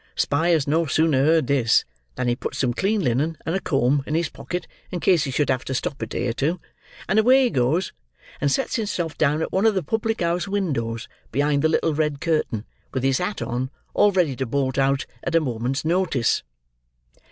Spyers no sooner heard this, than he put some clean linen and a comb, in his pocket, in case he should have to stop a day or two; and away he goes, and sets himself down at one of the public house windows behind the little red curtain, with his hat on, all ready to bolt out, at a moment's notice.